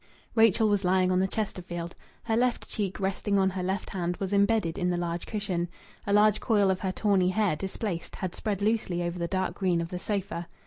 Rachel was lying on the Chesterfield. Her left cheek, resting on her left hand, was embedded in the large cushion. A large coil of her tawny hair, displaced, had spread loosely over the dark green of the sofa.